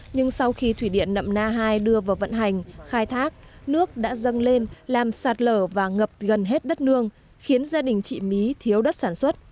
nhưng sau khi thủy điện nậm na hai đưa vào vận hành khai thác nước đã dâng lên làm sạt lở và ngập gần hết đất nương khiến gia đình chị mí thiếu đất sản xuất